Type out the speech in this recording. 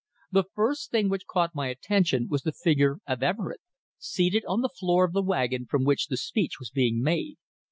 The first thing which caught my attention was the figure of Everett, seated on the floor of the wagon from which the speech was being made.